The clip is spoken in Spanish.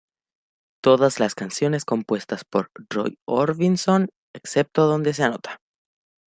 Todas las canciones compuestas por Roy Orbison excepto donde se anota.